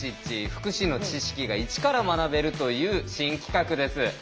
福祉の知識が一から学べるという新企画です。